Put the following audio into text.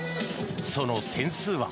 その点数は。